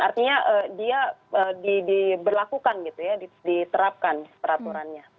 artinya dia diberlakukan gitu ya diterapkan peraturannya